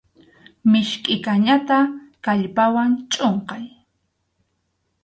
Miskʼi kañata kallpawan chʼunqay.